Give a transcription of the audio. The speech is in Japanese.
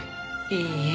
いいえ。